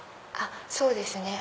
そうですね。